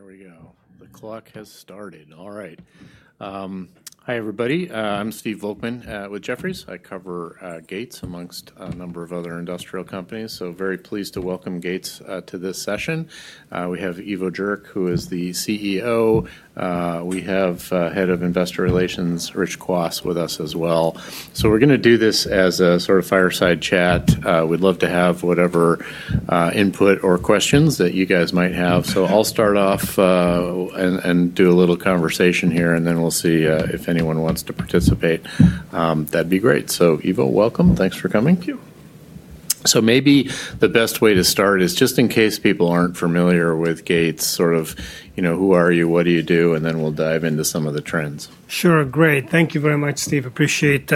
All right, there we go. The clock has started. All right. Hi, everybody. I'm Steve Volkmann with Jefferies. I cover Gates amongst a number of other industrial companies, so very pleased to welcome Gates to this session. We have Ivo Jurek, who is the CEO. We have Head of Investor Relations, Rich Kwas, with us as well. So we're gonna do this as a sort of fireside chat. We'd love to have whatever input or questions that you guys might have. So I'll start off and do a little conversation here, and then we'll see if anyone wants to participate. That'd be great. So, Ivo, welcome. Thanks for coming. Thank you. Maybe the best way to start is, just in case people aren't familiar with Gates, sort of, you know, who are you? What do you do? And then we'll dive into some of the trends. Sure. Great. Thank you very much, Steve. Appreciate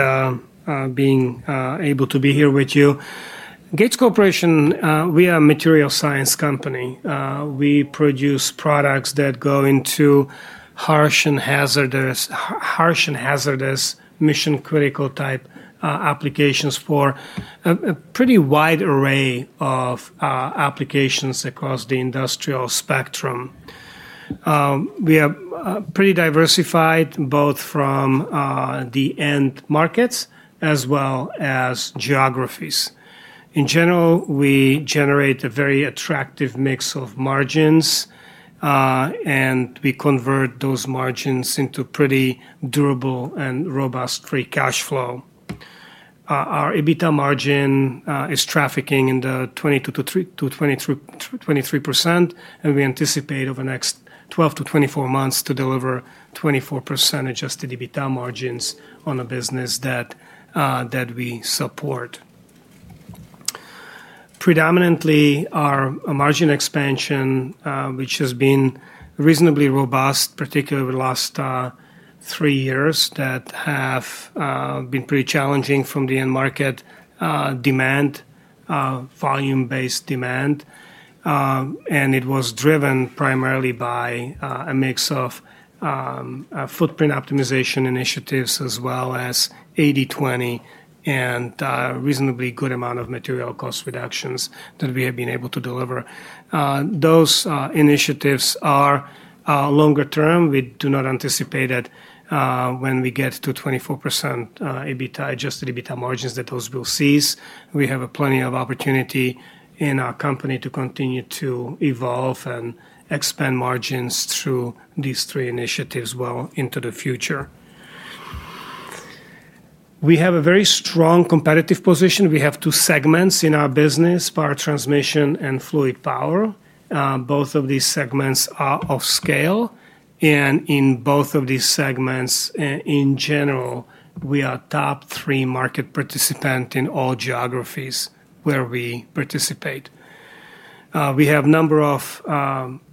being able to be here with you. Gates Corporation, we are a material science company. We produce products that go into harsh and hazardous, mission-critical type applications for a pretty wide array of applications across the industrial spectrum. We are pretty diversified, both from the end markets as well as geographies. In general, we generate a very attractive mix of margins, and we convert those margins into pretty durable and robust free cash flow. Our EBITDA margin is tracking in the 22%-23%, and we anticipate over the next 12-24 months to deliver 24% adjusted EBITDA margins on the business that we support. Predominantly, our margin expansion, which has been reasonably robust, particularly over the last three years that have been pretty challenging from the end market demand, volume-based demand. And it was driven primarily by a mix of footprint optimization initiatives, as well as 80/20, and reasonably good amount of material cost reductions that we have been able to deliver. Those initiatives are longer term. We do not anticipate that, when we get to 24% EBITDA, adjusted EBITDA margins, that those will cease. We have a plenty of opportunity in our company to continue to evolve and expand margins through these three initiatives well into the future. We have a very strong competitive position. We have two segments in our business: Power Transmission and Fluid Power. Both of these segments are of scale, and in both of these segments in general, we are top three market participants in all geographies where we participate. We have a number of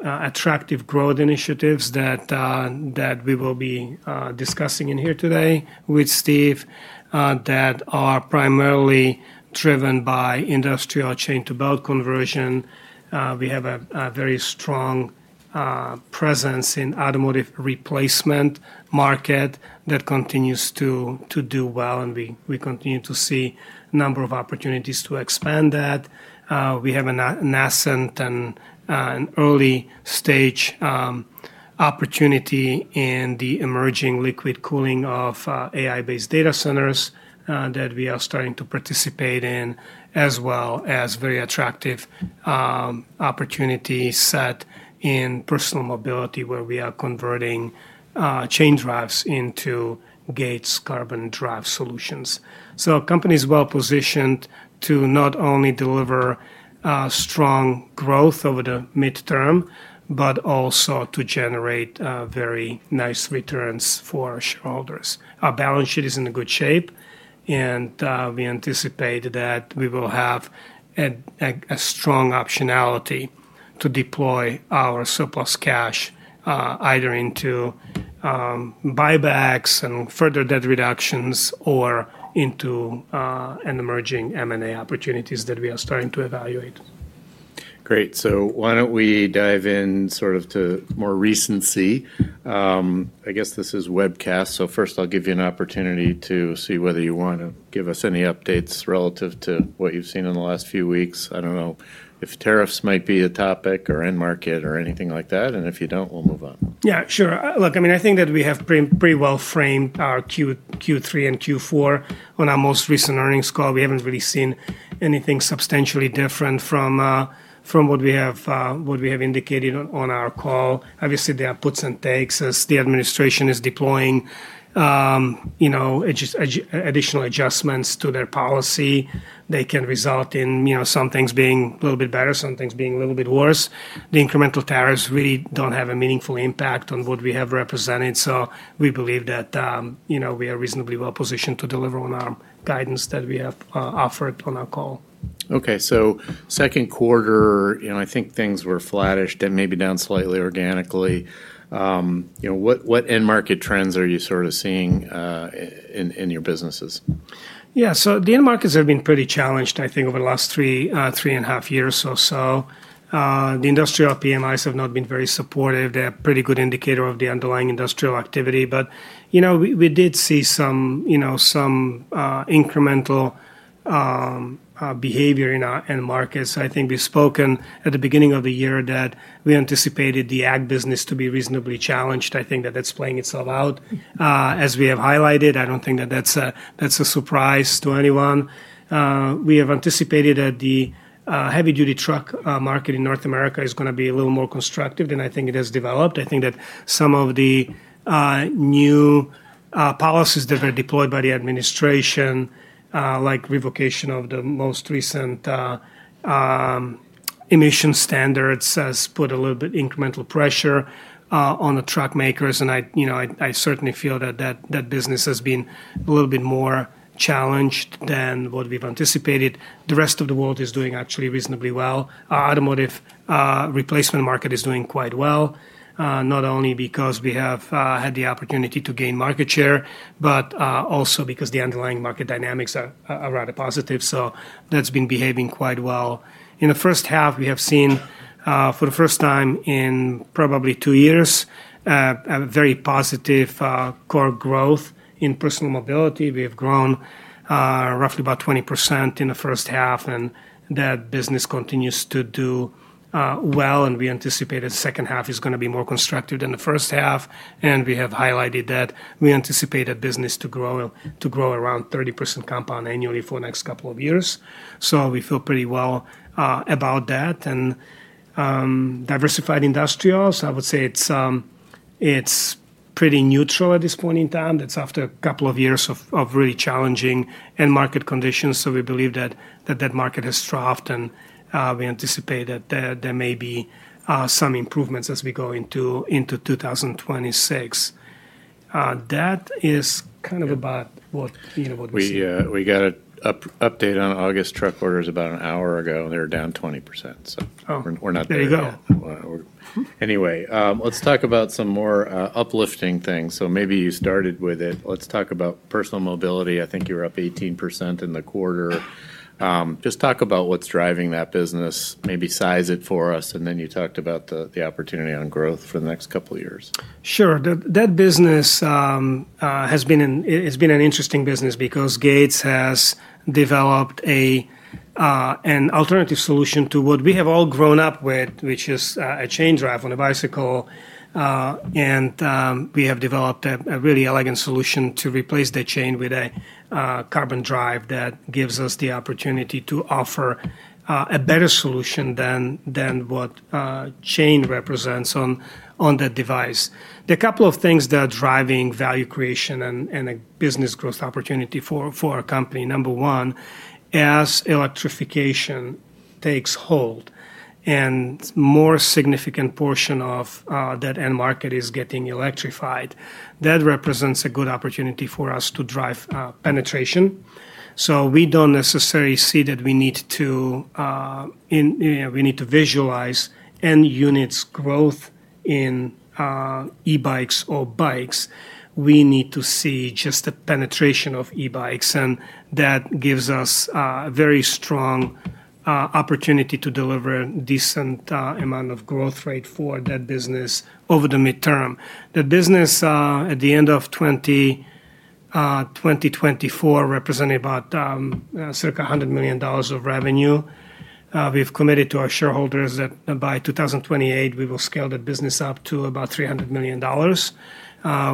attractive growth initiatives that we will be discussing here today with Steve, that are primarily driven by industrial chain to belt conversion. We have a very strong presence in automotive replacement market that continues to do well, and we continue to see a number of opportunities to expand that. We have a nascent and an early stage opportunity in the emerging liquid cooling of AI-based data centers, that we are starting to participate in, as well as very attractive opportunity set in personal mobility, where we are converting chain drives into Gates Carbon Drive solutions. Our company's well-positioned to not only deliver strong growth over the midterm, but also to generate very nice returns for shareholders. Our balance sheet is in a good shape, and we anticipate that we will have a strong optionality to deploy our surplus cash either into buybacks and further debt reductions or into an emerging M&A opportunities that we are starting to evaluate. Great. So why don't we dive in sort of to more recency? I guess this is webcast, so first I'll give you an opportunity to see whether you want to give us any updates relative to what you've seen in the last few weeks. I don't know if tariffs might be a topic or end market or anything like that, and if you don't, we'll move on. Yeah, sure. Look, I mean, I think that we have pretty well framed our Q3 and Q4 on our most recent earnings call. We haven't really seen anything substantially different from what we have indicated on our call. Obviously, there are puts and takes as the administration is deploying you know, additional adjustments to their policy. They can result in, you know, some things being a little bit better, some things being a little bit worse. The incremental tariffs really don't have a meaningful impact on what we have represented, so we believe that, you know, we are reasonably well positioned to deliver on our guidance that we have offered on our call. Okay, so second quarter, you know, I think things were flattish and maybe down slightly organically. You know, what end market trends are you sort of seeing in your businesses? Yeah. So the end markets have been pretty challenged, I think, over the last three and a half years or so. The industrial PMIs have not been very supportive. They're a pretty good indicator of the underlying industrial activity, but, you know, we did see some, you know, some incremental behavior in our end markets. I think we've spoken at the beginning of the year that we anticipated the ag business to be reasonably challenged. I think that's playing itself out. As we have highlighted, I don't think that's a surprise to anyone. We have anticipated that the heavy-duty truck market in North America is gonna be a little more constructive than I think it has developed. I think that some of the new policies that were deployed by the administration, like revocation of the most recent emission standards, has put a little bit incremental pressure on the truck makers, and I, you know, certainly feel that that business has been a little bit more challenged than what we've anticipated. The rest of the world is doing actually reasonably well. Our automotive replacement market is doing quite well, not only because we have had the opportunity to gain market share, but also because the underlying market dynamics are rather positive, so that's been behaving quite well. In the first half, we have seen, for the first time in probably two years, a very positive core growth in personal mobility. We have grown, roughly about 20% in the first half, and that business continues to do, well, and we anticipate the second half is gonna be more constructive than the first half. And we have highlighted that we anticipate that business to grow around 30% compound annually for the next couple of years. So we feel pretty well, about that. And, diversified industrials, I would say it's pretty neutral at this point in time. That's after a couple of years of really challenging end market conditions, so we believe that market has troughed and, we anticipate that there may be, some improvements as we go into 2026. That is kind of about what, you know, what we- We got an update on August truck orders about an hour ago, and they were down 20%, so— Oh. We're not there yet. There you go. Anyway, let's talk about some more uplifting things. Maybe you started with it. Let's talk about personal mobility. I think you're up 18% in the quarter. Just talk about what's driving that business, maybe size it for us, and then you talked about the opportunity on growth for the next couple of years. Sure. That business has been an interesting business because Gates has developed an alternative solution to what we have all grown up with, which is a chain drive on a bicycle. And we have developed a really elegant solution to replace the chain with a carbon drive that gives us the opportunity to offer a better solution than what chain represents on that device. There are a couple of things that are driving value creation and a business growth opportunity for our company. Number one, as electrification takes hold and more significant portion of that end market is getting electrified, that represents a good opportunity for us to drive penetration. So we don't necessarily see that we need to, you know, we need to visualize end units growth in, e-bikes or bikes. We need to see just the penetration of e-bikes, and that gives us, a very strong, opportunity to deliver a decent, amount of growth rate for that business over the midterm. The business, at the end of 2024, represented about, circa $100 million of revenue. We've committed to our shareholders that by 2028, we will scale the business up to about $300 million.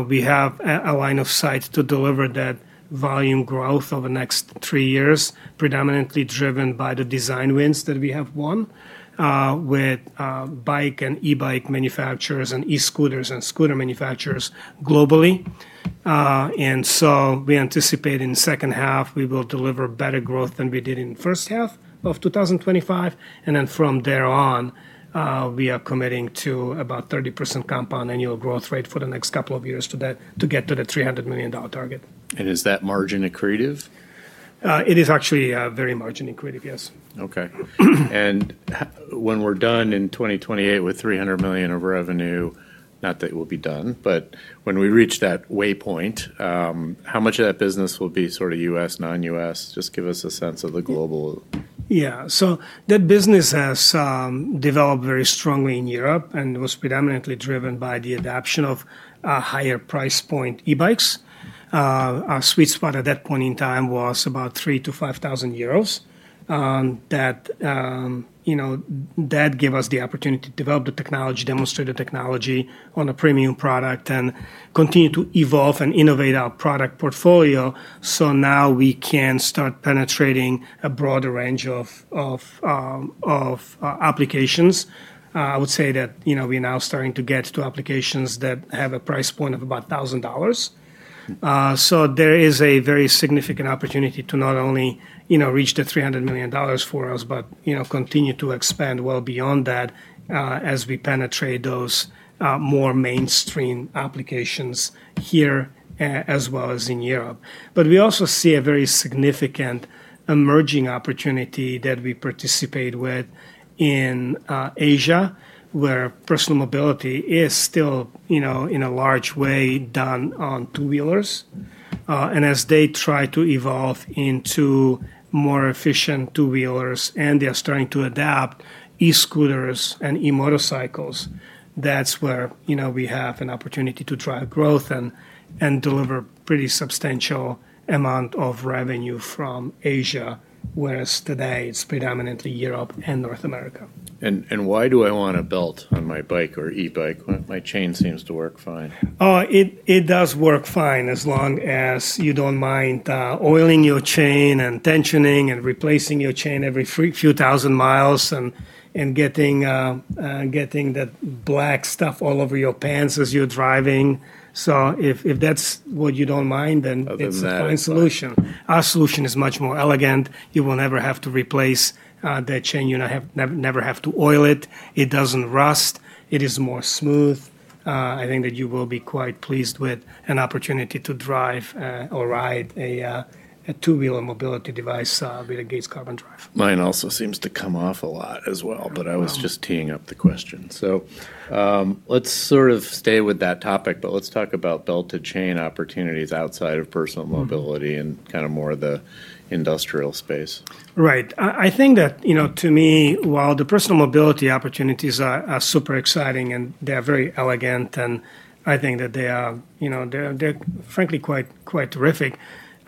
We have a line of sight to deliver that volume growth over the next three years, predominantly driven by the design wins that we have won, with, bike and e-bike manufacturers and e-scooters and scooter manufacturers globally. And so we anticipate in the second half, we will deliver better growth than we did in the first half of 2025, and then from there on, we are committing to about 30% compound annual growth rate for the next couple of years to get to the $300 million target. Is that margin accretive? It is actually very margin accretive, yes. Okay. And when we're done in 2028 with $300 million of revenue, not that we'll be done, but when we reach that waypoint, how much of that business will be sort of U.S., non-U.S.? Just give us a sense of the global. Yeah, so that business has developed very strongly in Europe and was predominantly driven by the adoption of higher price point e-bikes. Our sweet spot at that point in time was about 3,000-5,000 euros. That, you know, that gave us the opportunity to develop the technology, demonstrate the technology on a premium product, and continue to evolve and innovate our product portfolio. So now we can start penetrating a broader range of applications. I would say that, you know, we're now starting to get to applications that have a price point of about $1,000. So there is a very significant opportunity to not only, you know, reach the $300 million for us, but, you know, continue to expand well beyond that, as we penetrate those, more mainstream applications here, as well as in Europe. But we also see a very significant emerging opportunity that we participate with in Asia, where personal mobility is still, you know, in a large way, done on two-wheelers. And as they try to evolve into more efficient two-wheelers, and they are starting to adapt e-scooters and e-motorcycles, that's where, you know, we have an opportunity to drive growth and deliver pretty substantial amount of revenue from Asia, whereas today it's predominantly Europe and North America. Why do I want a belt on my bike or e-bike when my chain seems to work fine? It does work fine as long as you don't mind oiling your chain and tensioning and replacing your chain every few thousand miles, and getting that black stuff all over your pants as you're driving, so if that's what you don't mind, then— Other than that. it's a fine solution. Our solution is much more elegant. You will never have to replace that chain. You never have to oil it. It doesn't rust. It is more smooth. I think that you will be quite pleased with an opportunity to drive or ride a two-wheeler mobility device with a Gates Carbon Drive. Mine also seems to come off a lot as well— Yeah. But I was just teeing up the question. So, let's sort of stay with that topic, but let's talk about belt and chain opportunities outside of personal mobility and kind of more of the industrial space. Right. I think that, you know, to me, while the personal mobility opportunities are super exciting, and they are very elegant, and I think that they are You know, they're frankly quite terrific.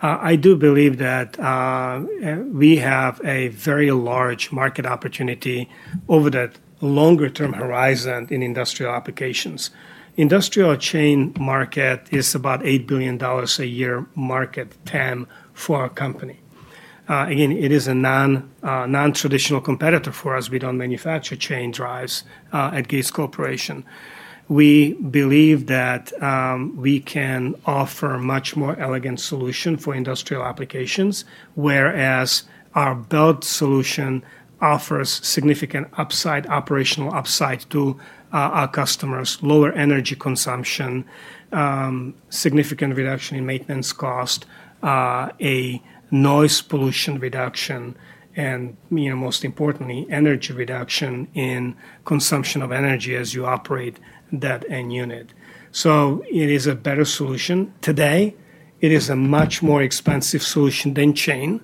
I do believe that we have a very large market opportunity over that longer-term horizon in industrial applications. Industrial chain market is about $8 billion a year market TAM for our company. Again, it is a non, non-traditional competitor for us. We don't manufacture chain drives at Gates Corporation. We believe that we can offer a much more elegant solution for industrial applications, whereas our belt solution offers significant upside, operational upside to our customers: lower energy consumption, significant reduction in maintenance cost, a noise pollution reduction, and, you know, most importantly, energy reduction in consumption of energy as you operate that end unit. So it is a better solution. Today, it is a much more expensive solution than chain.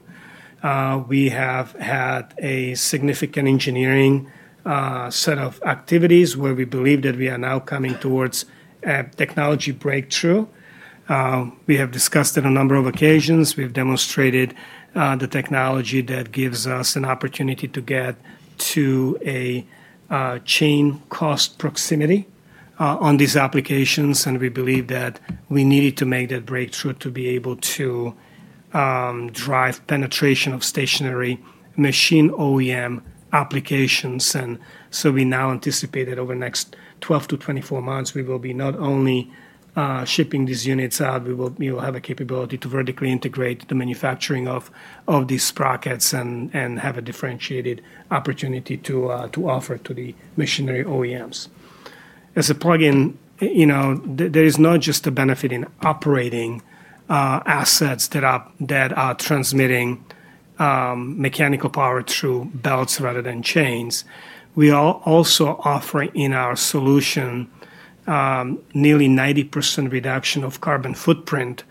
We have had a significant engineering set of activities where we believe that we are now coming towards a technology breakthrough. We have discussed it a number of occasions. We've demonstrated the technology that gives us an opportunity to get to a chain cost proximity on these applications, and we believe that we needed to make that breakthrough to be able to drive penetration of stationary machine OEM applications. And so we now anticipate that over the next 12-24 months, we will be not only shipping these units out, we will have a capability to vertically integrate the manufacturing of these sprockets and have a differentiated opportunity to offer to the machinery OEMs. As a plug-in, you know, there is not just a benefit in operating assets that are transmitting mechanical power through belts rather than chains. We are also offering in our solution nearly 90% reduction of carbon footprint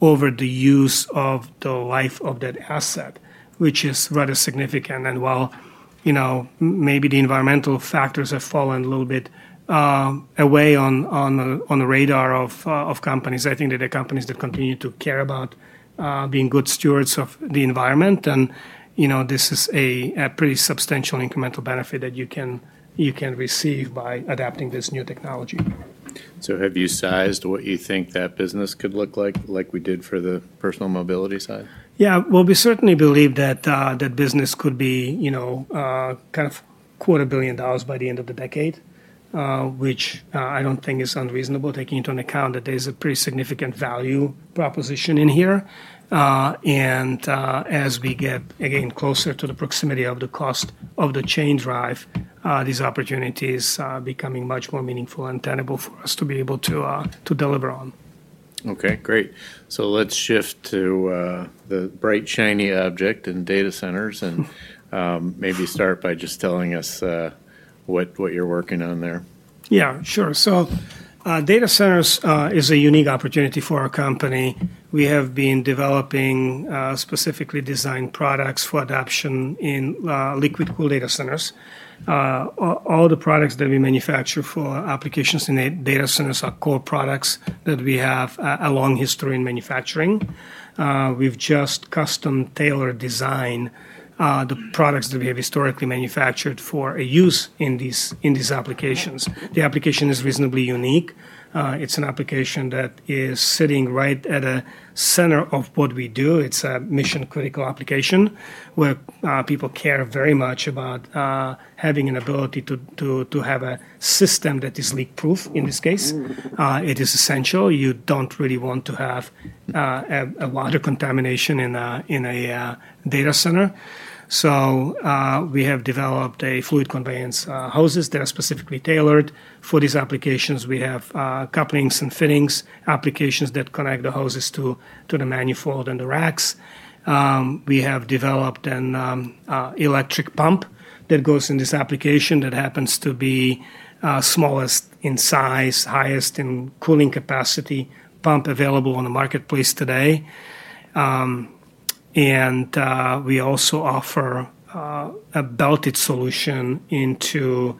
over the use of the life of that asset, which is rather significant. And while, you know, maybe the environmental factors have fallen a little bit away on the radar of companies, I think that there are companies that continue to care about being good stewards of the environment. And, you know, this is a pretty substantial incremental benefit that you can receive by adapting this new technology. So have you sized what you think that business could look like, like we did for the personal mobility side? Yeah. Well, we certainly believe that that business could be, you know, kind of $250 million by the end of the decade, which I don't think is unreasonable, taking into account that there's a pretty significant value proposition in here. And as we get again closer to the proximity of the cost of the chain drive, this opportunity is becoming much more meaningful and tangible for us to be able to deliver on. Okay, great. So let's shift to the bright, shiny object in data centers and maybe start by just telling us what you're working on there. Yeah, sure. So, data centers is a unique opportunity for our company. We have been developing specifically designed products for adoption in liquid-cooled data centers. All the products that we manufacture for applications in data centers are core products that we have a long history in manufacturing. We've just custom-tailored design the products that we have historically manufactured for a use in these applications. The application is reasonably unique. It's an application that is sitting right at the center of what we do. It's a mission-critical application, where people care very much about having an ability to have a system that is leak-proof in this case. It is essential. You don't really want to have a water contamination in a data center. So, we have developed a fluid conveyance hoses that are specifically tailored for these applications. We have couplings and fittings applications that connect the hoses to the manifold and the racks. We have developed an electric pump that goes in this application that happens to be smallest in size, highest in cooling capacity pump available on the marketplace today. And, we also offer a belted solution into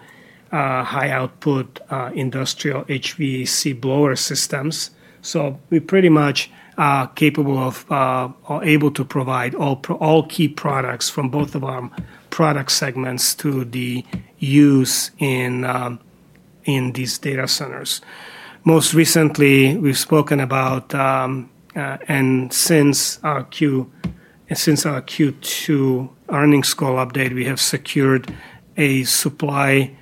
high output industrial HVAC blower systems. So we pretty much are capable of are able to provide all key products from both of our product segments to the use in these data centers. Most recently, we've spoken about. And since our Q2 earnings call update, we have secured a supply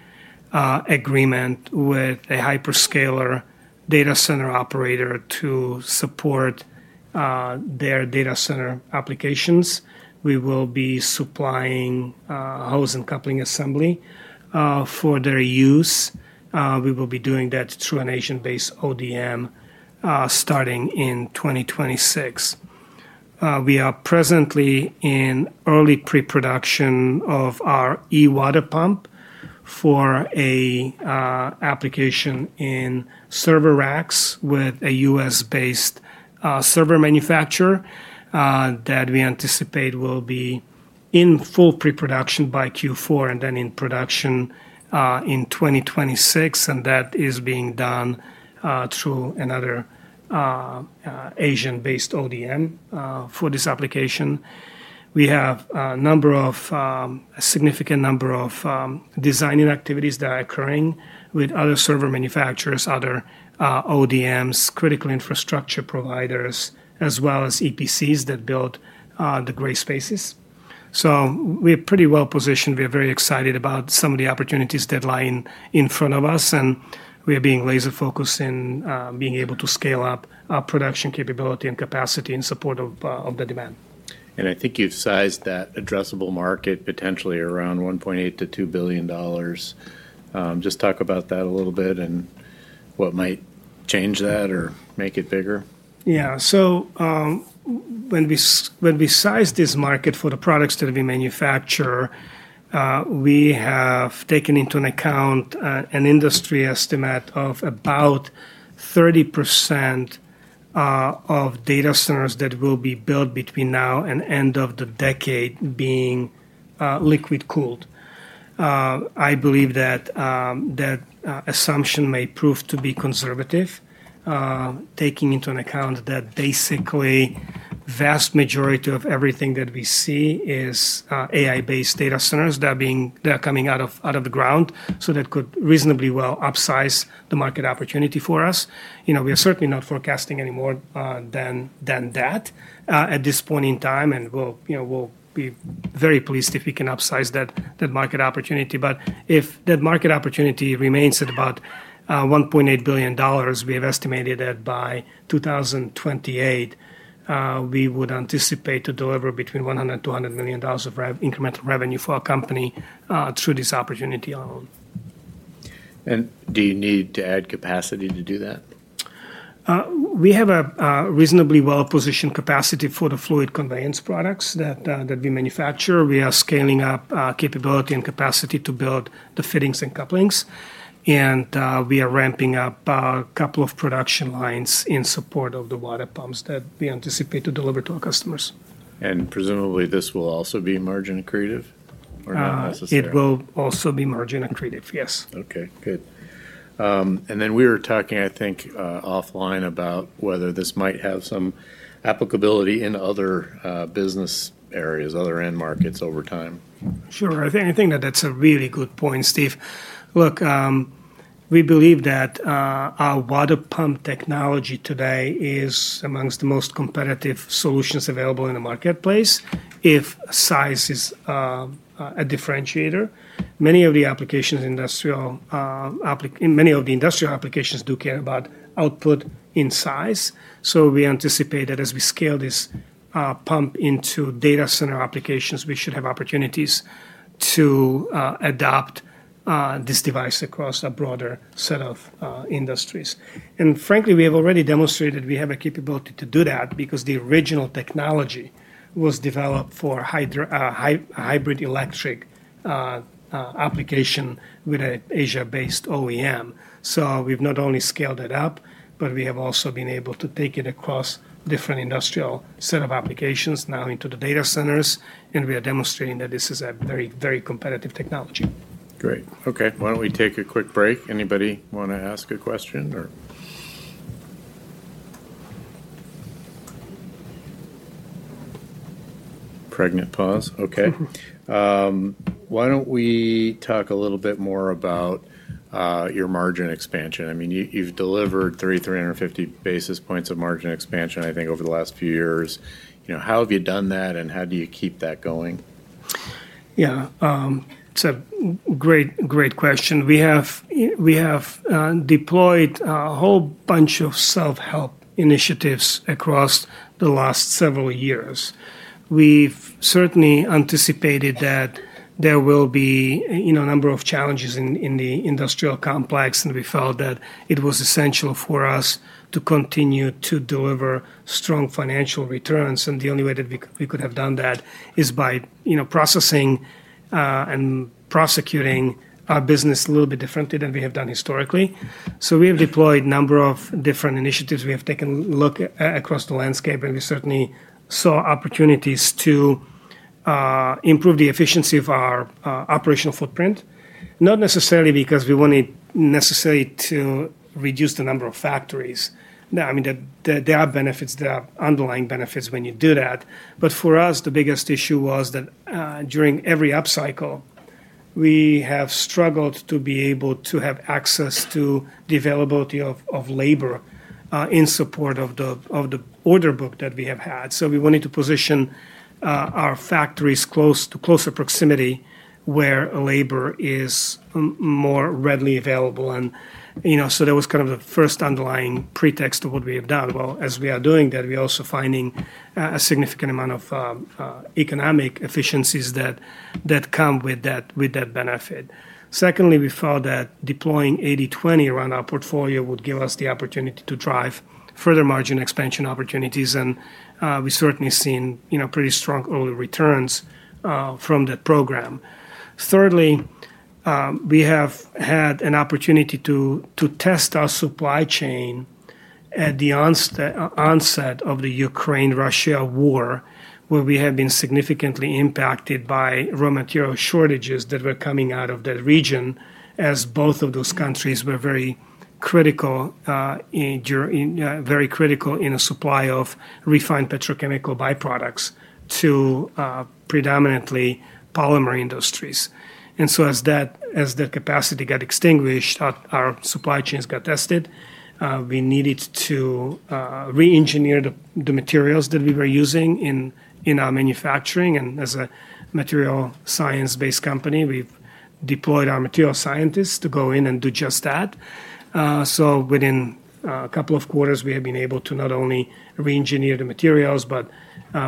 agreement with a hyperscaler data center operator to support their data center applications. We will be supplying hose and coupling assembly for their use. We will be doing that through an Asian-based ODM starting in 2026. We are presently in early pre-production of our e-water pump for an application in server racks with a U.S.-based server manufacturer that we anticipate will be in full pre-production by Q4, and then in production in 2026, and that is being done through another Asian-based ODM for this application. We have a number of, a significant number of designing activities that are occurring with other server manufacturers, other ODMs, critical infrastructure providers, as well as EPCs that build the gray spaces. So we're pretty well-positioned. We're very excited about some of the opportunities that lie in front of us, and we are being laser-focused in being able to scale up our production capability and capacity in support of the demand. And I think you've sized that addressable market potentially around $1.8 billion-$2 billion. Just talk about that a little bit, and what might change that or make it bigger. Yeah, so, when we sized this market for the products that we manufacture, we have taken into account an industry estimate of about 30% of data centers that will be built between now and end of the decade being liquid-cooled. I believe that assumption may prove to be conservative, taking into account that basically vast majority of everything that we see is AI-based data centers that are coming out of the ground, so that could reasonably well upsize the market opportunity for us. You know, we are certainly not forecasting any more than that at this point in time, and we'll, you know, we'll be very pleased if we can upsize that market opportunity. But if that market opportunity remains at about $1.8 billion, we have estimated that by 2028, we would anticipate to deliver between $100 million-$200 million of incremental revenue for our company through this opportunity alone. Do you need to add capacity to do that? We have a reasonably well-positioned capacity for the fluid conveyance products that we manufacture. We are scaling up capability and capacity to build the fittings and couplings, and we are ramping up a couple of production lines in support of the water pumps that we anticipate to deliver to our customers. Presumably, this will also be margin accretive, or not necessarily? It will also be margin accretive, yes. Okay, good. And then we were talking, I think, offline, about whether this might have some applicability in other business areas, other end markets over time. Sure. I think that that's a really good point, Steve. Look, we believe that our water pump technology today is amongst the most competitive solutions available in the marketplace if size is a differentiator. Many of the industrial applications do care about output in size, so we anticipate that as we scale this pump into data center applications, we should have opportunities to adopt this device across a broader set of industries. And frankly, we have already demonstrated we have a capability to do that because the original technology was developed for hybrid electric application with an Asia-based OEM. So we've not only scaled it up, but we have also been able to take it across different industrial set of applications now into the data centers, and we are demonstrating that this is a very, very competitive technology. Great. Okay, why don't we take a quick break? Anybody want to ask a question, or—okay. Why don't we talk a little bit more about your margin expansion? I mean, you, you've delivered 30-35 basis points of margin expansion, I think, over the last few years. You know, how have you done that, and how do you keep that going? Yeah, it's a great, great question. We have deployed a whole bunch of self-help initiatives across the last several years. We've certainly anticipated that there will be, you know, a number of challenges in the industrial complex, and we felt that it was essential for us to continue to deliver strong financial returns, and the only way that we could have done that is by, you know, processing and prosecuting our business a little bit differently than we have done historically. So we have deployed a number of different initiatives. We have taken a look across the landscape, and we certainly saw opportunities to improve the efficiency of our operational footprint. Not necessarily because we wanted to necessarily reduce the number of factories. Now, I mean, there are benefits. There are underlying benefits when you do that, but for us, the biggest issue was that during every upcycle, we have struggled to be able to have access to the availability of labor in support of the order book that we have had. So we wanted to position our factories in closer proximity where labor is more readily available. And you know, so that was kind of the first underlying pretext of what we have done. Well, as we are doing that, we're also finding a significant amount of economic efficiencies that come with that benefit. Secondly, we found that deploying 80/20 around our portfolio would give us the opportunity to drive further margin expansion opportunities, and we've certainly seen, you know, pretty strong early returns from that program. Thirdly, we have had an opportunity to test our supply chain at the onset of the Ukraine-Russia war, where we have been significantly impacted by raw material shortages that were coming out of that region, as both of those countries were very critical in the supply of refined petrochemical byproducts to predominantly polymer industries. And so as their capacity got extinguished, our supply chains got tested. We needed to re-engineer the materials that we were using in our manufacturing, and as a material science-based company, we've deployed our material scientists to go in and do just that, so within a couple of quarters, we have been able to not only re-engineer the materials, but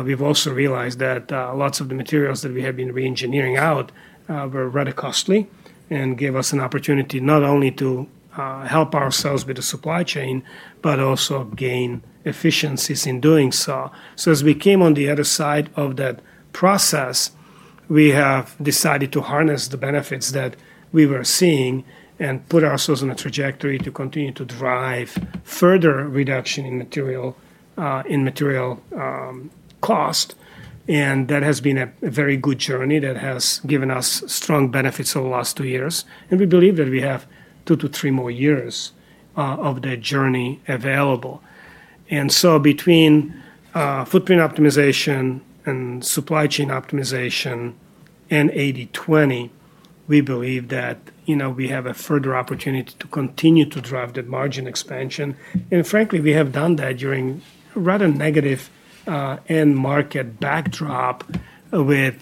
we've also realized that lots of the materials that we have been re-engineering out were rather costly and gave us an opportunity not only to help ourselves with the supply chain, but also gain efficiencies in doing so, so as we came on the other side of that process, we have decided to harness the benefits that we were seeing and put ourselves on a trajectory to continue to drive further reduction in material cost. And that has been a very good journey that has given us strong benefits over the last two years, and we believe that we have two to three more years of that journey available. And so between footprint optimization and supply chain optimization and 80/20, we believe that, you know, we have a further opportunity to continue to drive that margin expansion. And frankly, we have done that during a rather negative end market backdrop with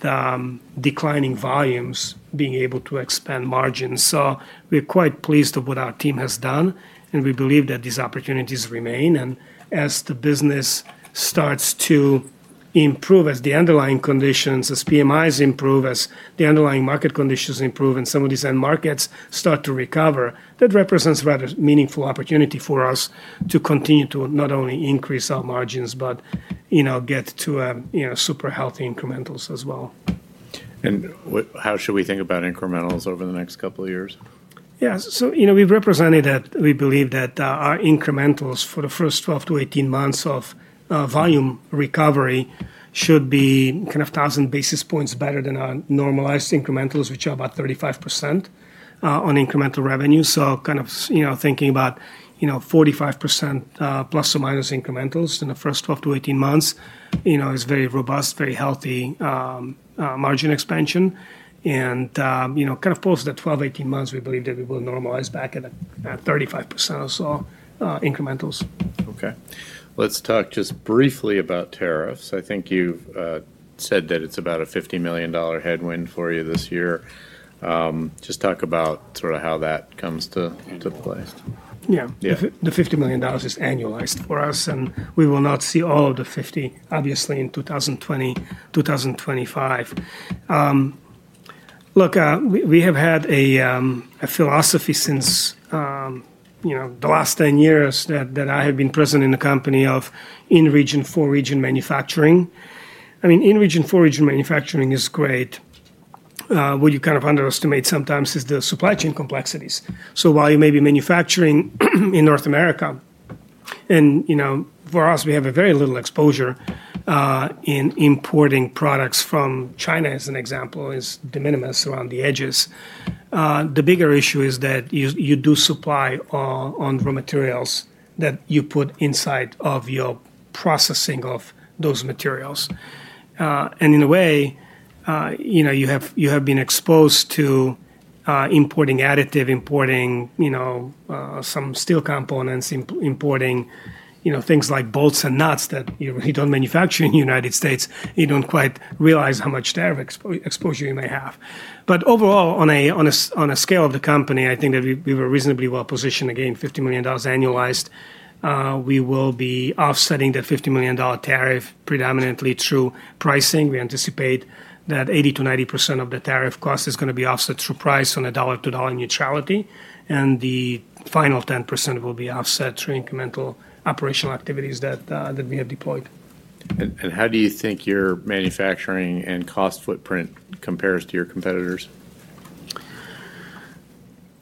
declining volumes, being able to expand margins. So we're quite pleased with what our team has done, and we believe that these opportunities remain. And as the business starts to improve, as the underlying conditions, as PMIs improve, as the underlying market conditions improve and some of these end markets start to recover, that represents a rather meaningful opportunity for us to continue to not only increase our margins, but, you know, get to, you know, super healthy incrementals as well. How should we think about incrementals over the next couple of years? Yeah. So, you know, we've represented that we believe that, our incrementals for the first 12 to 18 months of volume recovery should be kind of 1,000 basis points better than our normalized incrementals, which are about 35%, on incremental revenue. So kind of, you know, thinking about, you know, 45%, plus or minus incrementals in the first 12 to 18 months, you know, is very robust, very healthy, margin expansion. And, you know, kind of post the 12, 18 months, we believe that we will normalize back at, at 35% or so, incrementals. Okay. Let's talk just briefly about tariffs. I think you've said that it's about a $50 million headwind for you this year. Just talk about sort of how that comes to play. Yeah. Yeah. The $50 million is annualized for us, and we will not see all of the $50 million, obviously, in 2025. Look, we have had a philosophy since, you know, the last 10 years that I have been present in the company of in-region, for-region manufacturing. I mean, in-region, for-region manufacturing is great. What you kind of underestimate sometimes is the supply chain complexities. So while you may be manufacturing in North America, and, you know, for us, we have a very little exposure in importing products from China, as an example, is de minimis around the edges. The bigger issue is that you do supply on raw materials that you put inside of your processing of those materials. And in a way, you know, you have been exposed to importing additives, you know, some steel components, importing things like bolts and nuts that you really don't manufacture in the United States. You don't quite realize how much tariff exposure you may have. But overall, on a scale of the company, I think that we were reasonably well positioned. Again, $50 million annualized. We will be offsetting that $50 million tariff predominantly through pricing. We anticipate that 80% to 90% of the tariff cost is gonna be offset through price on a dollar-to-dollar neutrality, and the final 10% will be offset through incremental operational activities that we have deployed. How do you think your manufacturing and cost footprint compares to your competitors?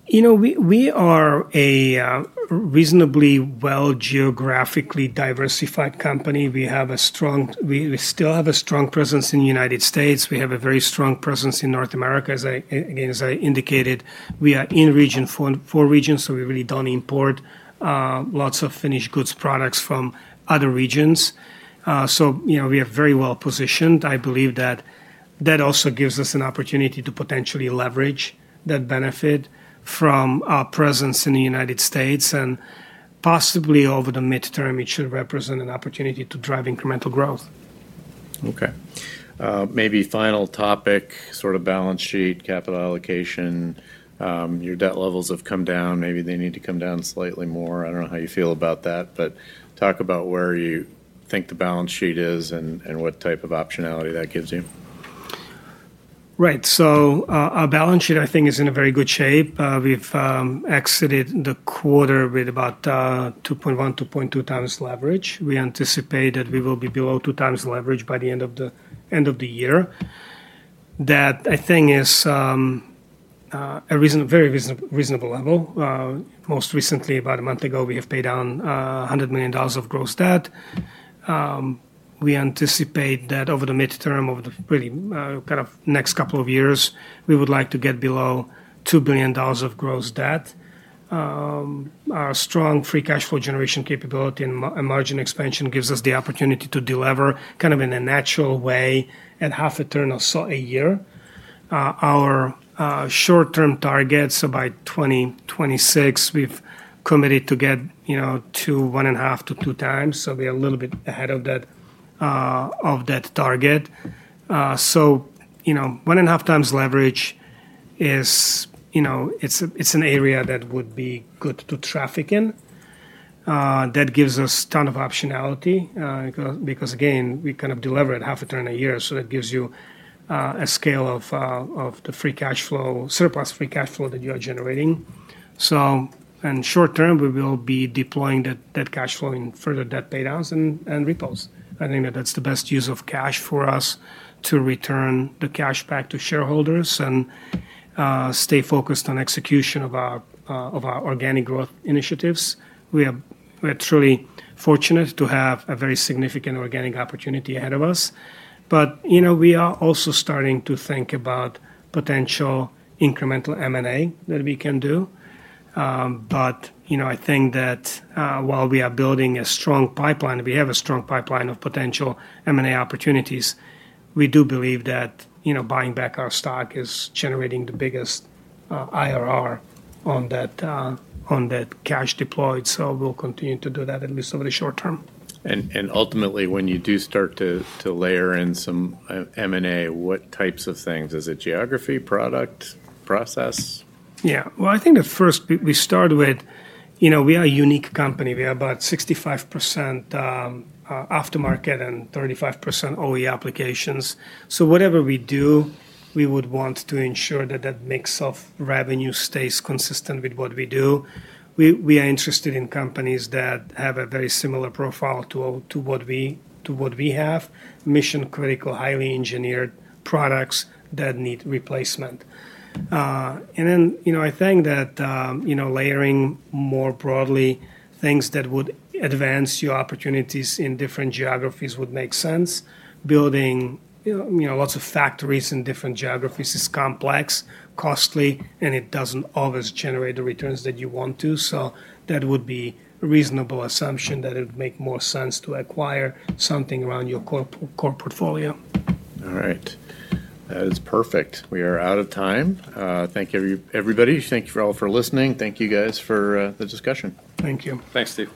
You know, we are a reasonably well geographically diversified company. We have a strong presence in the United States. We have a very strong presence in North America, as I again, as I indicated. We are in-region, for-region, so we really don't import lots of finished goods products from other regions. So you know, we are very well positioned. I believe that that also gives us an opportunity to potentially leverage that benefit from our presence in the United States, and possibly over the midterm, it should represent an opportunity to drive incremental growth. Okay. Maybe final topic, sort of balance sheet, capital allocation. Your debt levels have come down. Maybe they need to come down slightly more. I don't know how you feel about that, but talk about where you think the balance sheet is and what type of optionality that gives you. Right. Our balance sheet, I think, is in a very good shape. We've exited the quarter with about 2.1x-2.2x leverage. We anticipate that we will be below 2x leverage by the end of the year. That I think is a very reasonable level. Most recently, about a month ago, we have paid down $100 million of gross debt. We anticipate that over the medium term, kind of next couple of years, we would like to get below $2 billion of gross debt. Our strong free cash flow generation capability and margin expansion gives us the opportunity to delever kind of in a natural way, at half a turn or so a year. Our short-term targets, so by 2026, we've committed to get, you know, to 1.5x-2x, so we are a little bit ahead of that, of that target. So, you know, 1.5x leverage is, you know, it's a, it's an area that would be good to traffic in. That gives us ton of optionality, because, again, we kind of delever it half a turn a year, so that gives you a scale of the free cash flow, surplus free cash flow that you are generating. So in short term, we will be deploying that cash flow in further debt paydowns and repurchases. I think that that's the best use of cash for us to return the cash back to shareholders and stay focused on execution of our organic growth initiatives. We are truly fortunate to have a very significant organic opportunity ahead of us, but you know, we are also starting to think about potential incremental M&A that we can do. But you know, I think that while we are building a strong pipeline, we have a strong pipeline of potential M&A opportunities. We do believe that you know, buying back our stock is generating the biggest IRR on that cash deployed, so we'll continue to do that, at least over the short term. Ultimately, when you do start to layer in some M&A, what types of things? Is it geography, product, process? Yeah. Well, I think at first, we start with You know, we are a unique company. We are about 65% aftermarket and 35% OE applications. So whatever we do, we would want to ensure that that mix of revenue stays consistent with what we do. We are interested in companies that have a very similar profile to what we have: mission-critical, highly engineered products that need replacement. And then, you know, I think that, you know, layering more broadly things that would advance your opportunities in different geographies would make sense. Building, you know, lots of factories in different geographies is complex, costly, and it doesn't always generate the returns that you want to. So that would be a reasonable assumption, that it would make more sense to acquire something around your core portfolio. All right. That is perfect. We are out of time. Thank you, everybody. Thank you all for listening. Thank you, guys, for the discussion. Thank you. Thanks, Steve.